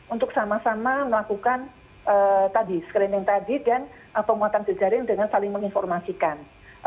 untuk sama sama melakukan screening tadi dan penguatan jejaring dengan saling menginformasikan